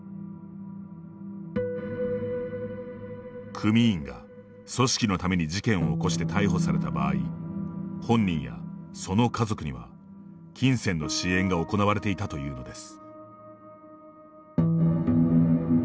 組員が、組織のために事件を起こして逮捕された場合本人やその家族には金銭の支援が行われていたというのです。